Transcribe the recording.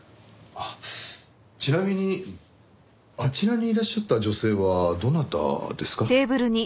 あっちなみにあちらにいらっしゃった女性はどなたですか？